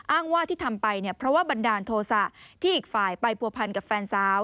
อ้างว่าที่ทำไปเนี่ยเพราะว่าบันดาลโทษะที่อีกฝ่ายไปผัวพันกับแฟนสาว